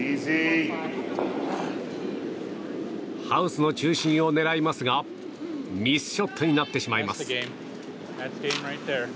ハウスの中心を狙いますがミスショットになってしまいます。